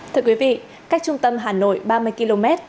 thưa quý vị cách trung tâm hà nội ba mươi km